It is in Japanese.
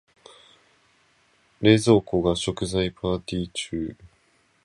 冷蔵庫、食材がパーティ中。